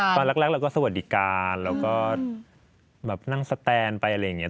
ตอนแรกเราก็สวัสดิการแล้วก็แบบนั่งสแตนไปอะไรอย่างนี้